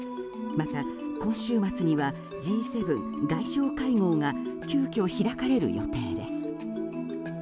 また、今週末にはＧ７外相会合が急きょ、開かれる予定です。